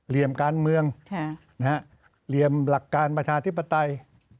เหลี่ยมการเมืองเหลี่ยมหลักการประชาธิปไตย